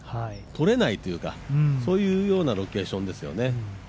とれないというか、そういうようなロケーションですよね。